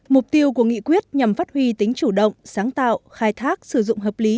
mục tiêu của nghị quyết nhằm phát huy tính chủ động sáng tạo khai thác sử dụng hợp lý